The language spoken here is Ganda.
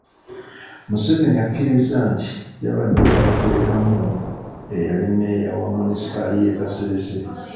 Museveni akkiriza nti yabadde yamuteekamu eyali mmeeya wa munisipaali y’e Kasese.